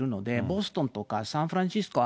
ボストンとかサンフランシスコ